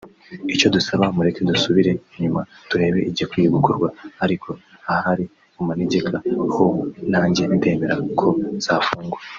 Icyo dusaba mureke dusubire inyuma turebe igikwiye gukorwa ariko ahari mu manegeka ho nanjye ndemera ko zafungwa